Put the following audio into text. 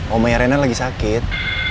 omanya renada lagi sakit